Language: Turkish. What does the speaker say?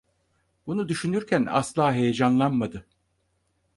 Bunu düşünürken asla heyecanlanmadı.